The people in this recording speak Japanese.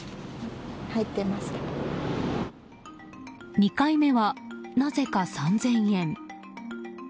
２回目は、なぜか３０００円。